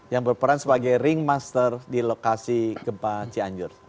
yang berperan sebagai ringmaster di lokasi gempa cianjur